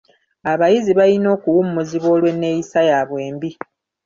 Abayizi balina okuwummuzibwa olw'enneeyisa yabwe embi.